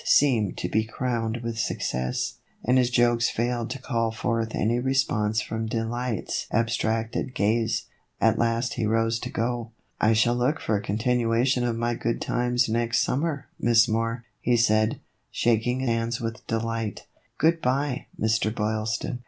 seem to be crowned with success, and his jokes failed to call forth any response from Delight's abstracted gaze. At last he rose to go. " I shall look for a continuation of my good times next summer, Miss Moore," he said, shaking hands with Delight. "Good by, Mr. Boylston.